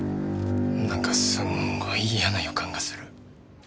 何かすんごい嫌な予感がする。